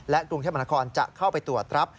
กรุงเทพมนาคอนจะเข้าไปตรวจรับ